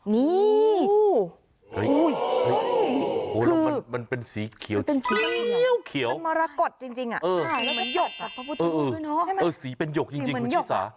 นี่โหมันเป็นสีเขียวมันมรกฎจริงอ่ะสีเป็นหยกจริงคือสีสา